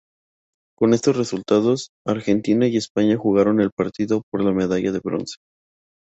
Con esos resultados, Argentina y España jugaron el partido por la medalla de bronce.